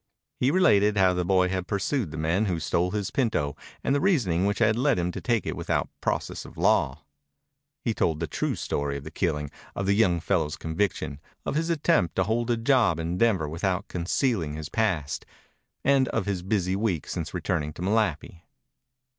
He related how the boy had pursued the men who stole his pinto and the reasoning which had led him to take it without process of law. He told the true story of the killing, of the young fellow's conviction, of his attempt to hold a job in Denver without concealing his past, and of his busy week since returning to Malapi.